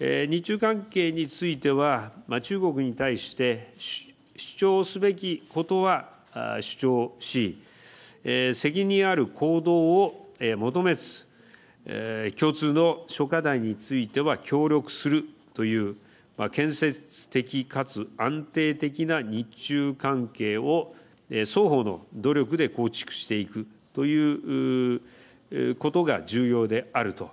日中関係については中国に対して、主張すべきことは主張し、責任ある行動を求めず、共通の諸課題については協力するという建設的かつ安定的な日中関係を双方の努力で構築していくということが重要であると。